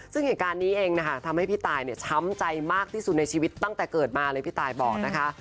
ซึ่งเหตุการณ์นี้เองนะคะทำให้พี่ตายเนี่ยช้ำใจมากที่สุดในชีวิตตั้งแต่เกิดมาเลยพี่ตายบอกนะคะ